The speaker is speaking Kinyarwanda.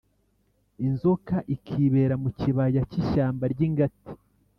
inzoka ikibera mu kibaya cy'ishyamba ry'ingati